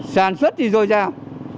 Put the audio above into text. sản xuất thì rồi sao